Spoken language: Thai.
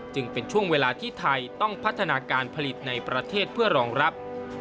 จึงเป็นช่วงเวลาที่ไทยต้องพัฒนาการผลิตในประเทศเพื่อรองรับ